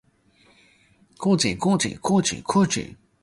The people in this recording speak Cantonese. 奇门中的八神，值符，腾蛇、太阴、六合、白虎、玄武、九地、九天